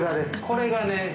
これがね